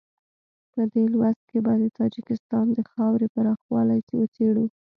په دې لوست کې به د تاجکستان د خاورې پراخوالی وڅېړو.